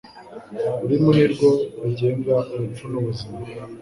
Ururimi ni rwo rugenga urupfu n’ubuzima